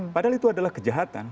padahal itu adalah kejahatan